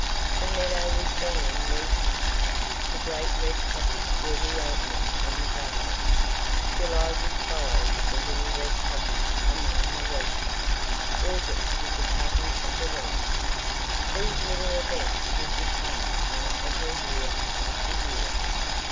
The meadow was being recut, the great red poppies were reopening in the garden. July would follow with the little red poppies among the wheat, August with the cutting of the wheat. These little events would become part of her year after year.